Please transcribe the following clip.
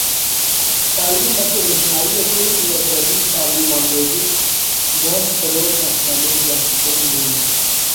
تعلیم اسہ روشنائی اسے و جدید تعلیم آن بیدس مون تروک آ چیلنج آتتون مون